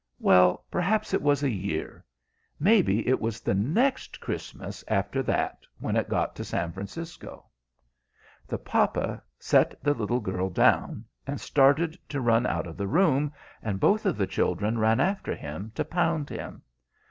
"Well, perhaps it was a year. Maybe it was the next Christmas after that when it got to San Francisco." The papa set the little girl down, and started to run out of the room, and both of the children ran after him, to pound him.